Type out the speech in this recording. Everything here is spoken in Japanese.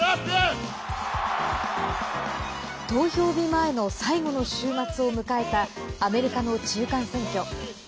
投票日前の最後の週末を迎えたアメリカの中間選挙。